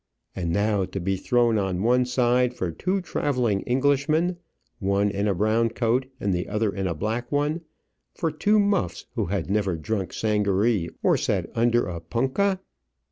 And now to be thrown on one side for two travelling Englishmen, one in a brown coat and the other in a black one for two muffs, who had never drunk sangaree or sat under a punkah!